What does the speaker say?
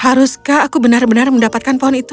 haruskah aku benar benar mendapatkan pohon itu